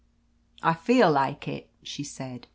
"I feel like it," she said.